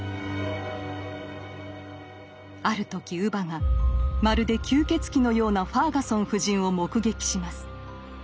ある時乳母がまるで吸血鬼のようなファーガソン夫人を目撃します。